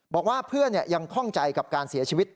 บอกว่าเพื่อนยังคล่องใจกับการเสียชีวิต